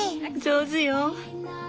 上手よ。